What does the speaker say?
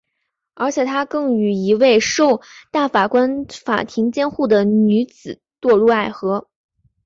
而且他更与一名受大法官法庭监护的女子堕入爱河。